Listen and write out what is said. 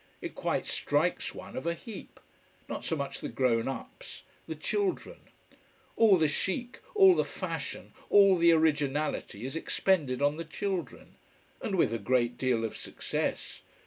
It quite strikes one of a heap. Not so much the grown ups. The children. All the "chic," all the fashion, all the originality is expended on the children. And with a great deal of success.